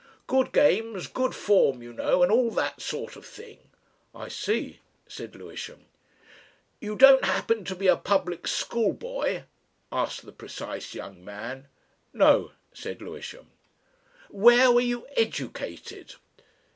"Good games, good form, you know, and all that sort of thing." "I see," said Lewisham. "You don't happen to be a public school boy?" asked the precise young man. "No," said Lewisham. "Where were you educated?"